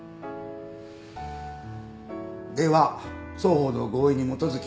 では双方の合意に基づき。